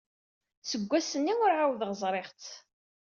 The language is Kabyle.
Seg wass-nni ur ɛawdeɣ ẓriɣ-tt.